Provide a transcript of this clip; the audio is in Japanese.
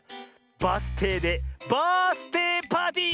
バスていでバースていパーティー！